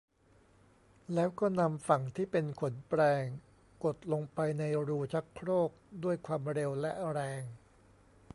แล้วก็นำฝั่งที่เป็นขนแปรงกดลงไปในรูชักโครกด้วยความเร็วและแรง